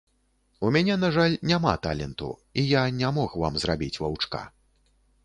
У мяне, на жаль, няма таленту, і я не мог вам зрабіць ваўчка.